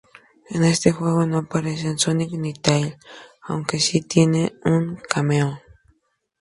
En este juego no aparece Sonic ni Tails, aunque si tienen un cameo.